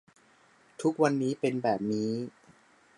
ทุกวันนี้เป็นแบบนี้